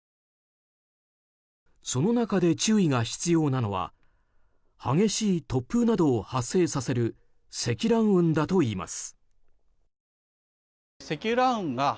その中で注意が必要なのは激しい突風などを発生させる積乱雲だといいます。